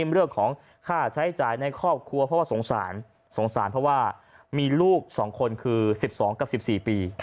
เรื่องของค่าใช้จ่ายในครอบครัวเพราะว่าสงสารสงสารเพราะว่ามีลูก๒คนคือ๑๒กับ๑๔ปี